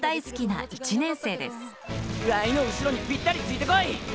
ワイの後ろにぴったりついてこい。